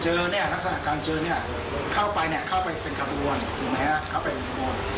จะเจอเนี่ยนักศึกษาการเจอเนี่ยเข้าไปเนี่ยเข้าไปเป็นข้าวประวัติถูกมั้ยฮะเข้าไปเป็นข้าวประวัติ